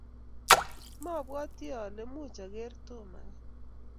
mabwatii ale much ager Tom ageny.